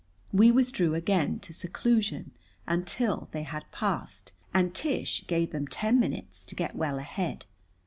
We withdrew again to seclusion until they had passed, and Tish gave them ten minutes to get well ahead.